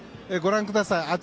ご覧ください。